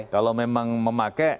kalau memang memakai